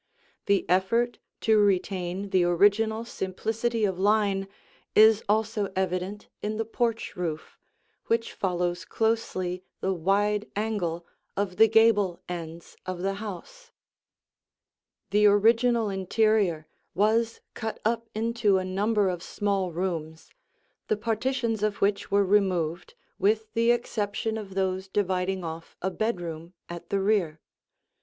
The effort to retain the original simplicity of line is also evident in the porch roof, which follows closely the wide angle of the gable ends of the house. [Illustration: The Living Room] The original interior was cut up into a number of small rooms, the partitions of which were removed, with the exception of those dividing off a bedroom at the rear.